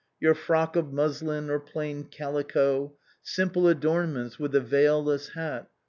Your frock of muslin or phiin calico. Simple adornments, with a veilless hat.